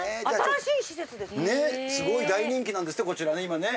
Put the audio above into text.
すごい大人気なんですってこちら今ね。